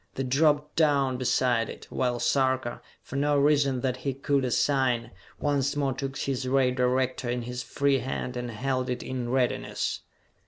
They dropped down beside it, while Sarka, for no reason that he could assign, once more took his ray director in his free hand and held it in readiness.